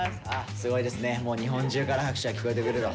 すごいですね日本中から拍手が聞こえてくると。